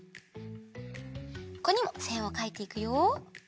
ここにもせんをかいていくよ。